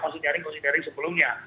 kami sudah nyari konsultasi sebelumnya